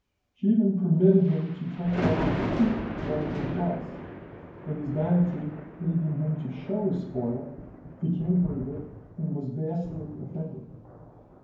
She even permitted him to take off and keep one of her gloves, and his vanity leading him to show his spoil, the king heard of it, and was vastly offended.